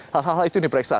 hal hal itu diperiksa